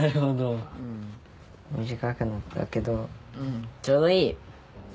短くなったけどちょうどいい！